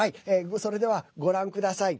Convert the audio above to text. それでは、ご覧ください。